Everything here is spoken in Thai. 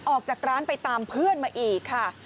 ออกจากร้านไปตามเพื่อนมาอีกค่ะ